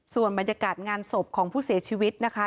ส่วนบรรยากาศงานศพของผู้เสียชีวิตนะคะ